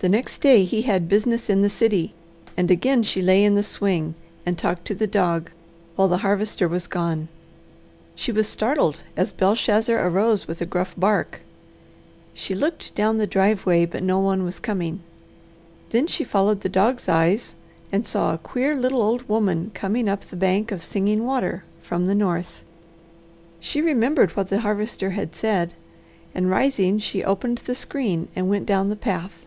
The next day he had business in the city, and again she lay in the swing and talked to the dog while the Harvester was gone. She was startled as Belshazzar arose with a gruff bark. She looked down the driveway, but no one was coming. Then she followed the dog's eyes and saw a queer, little old woman coming up the bank of Singing Water from the north. She remembered what the Harvester had said, and rising she opened the screen and went down the path.